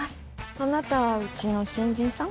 あなたうちの新人さん？